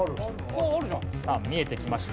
さあ見えてきました。